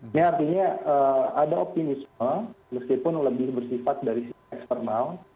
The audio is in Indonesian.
ini artinya ada optimisme meskipun lebih bersifat dari sisi eksternal